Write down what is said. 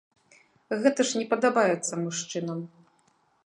Гэта ж не падабаецца мужчынам!